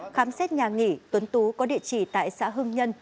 khám xét nhà nghỉ tuấn tú có địa chỉ tại xã hưng nhân